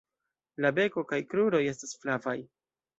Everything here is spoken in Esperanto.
La beko kaj kruroj estas flavaj.